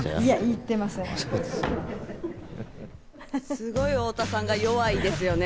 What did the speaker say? すごい太田さんが弱いですよね。